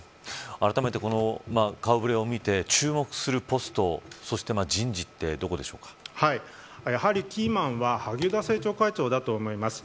あらためてこの顔ぶれを見て注目するポストやはりキーマンは萩生田政調会長だと思います。